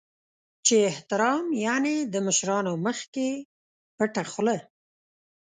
چې احترام یعنې د مشرانو مخکې پټه خوله .